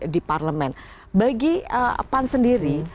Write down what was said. di parlemen bagi pan sendiri